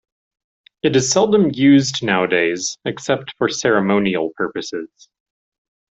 It is seldom used nowadays except for ceremonial purposes.